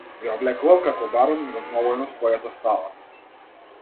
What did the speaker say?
Ја облекувал како барон разнобојно својата става.